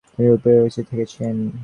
দেখে তো মনেই হয় না যে তুমি ইউরোপে থেকেছ।